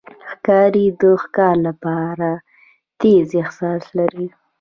ښکاري د ښکار لپاره تیز احساس لري.